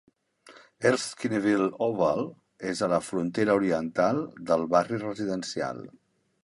Erskineville Oval és a la frontera oriental del barri residencial.